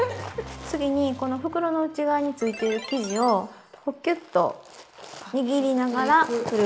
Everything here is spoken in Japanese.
次にこの袋の内側についてる生地をキュッと握りながらふる。